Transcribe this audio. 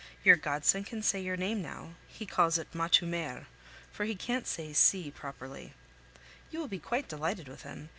Your godson can say your name now; he calls it Matoumer, for he can't say c properly. You will be quite delighted with him.